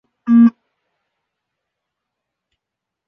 该医院转隶中央军委后勤保障部。